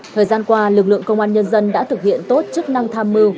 thời gian qua lực lượng công an nhân dân đã thực hiện tốt chức năng tham mưu